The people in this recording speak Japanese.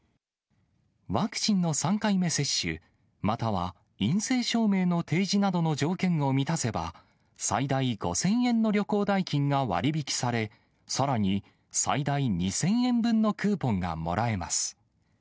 ワクチンの３回目接種、または陰性証明の提示などの条件を満たせば、最大５０００円の旅行代金が割り引きされ、さらに最大２０００円分のクーポンがもらえます。